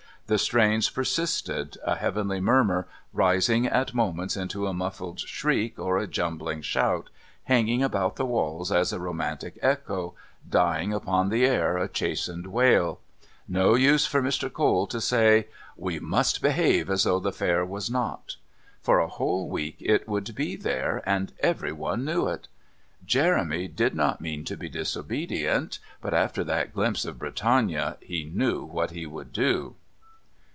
The strains persisted, a heavenly murmur, rising at moments into a muffled shriek or a jumbling shout, hanging about the walls as a romantic echo, dying upon the air a chastened wail. "No use for Mr. Cole to say: "We must behave as though the Fair was not." For a whole week it would be there, and everyone knew it. Jeremy did not mean to be disobedient, but after that glimpse of Britannia he knew that he would go.